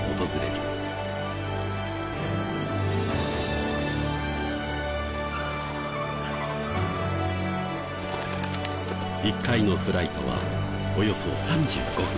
１回のフライトはおよそ３５分。